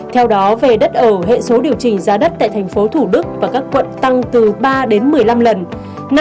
theo đó về đất ở hệ số điều chỉnh giá đất tại tp thủ đức và các quận tăng từ ba đến một mươi năm lần